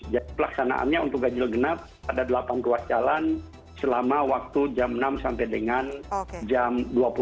jadi pelaksanaannya untuk ganjil genap ada delapan ruas jalan selama waktu jam enam sampai dengan jam dua puluh